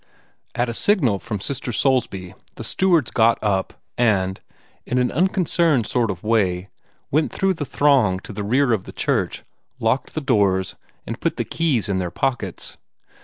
At a signal from Sister Soulsby the steward got up, and, in an unconcerned sort of way, went through the throng to the rear of the church, locked the doors, and put the keys in their pockets.